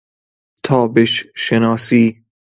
تابش شناسی